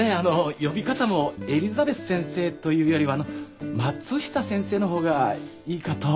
呼び方もエリザベス先生というよりは松下先生の方がいいかと。